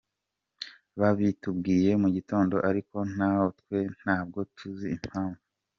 Babitubwiye mu gitondo ariko natwe ntabwo tuzi impamvu.